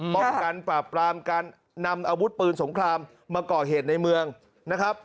ป้องกันปราบปรามการนำอาวุธปืนสงครามมาก่อเหตุในเมืองนะครับ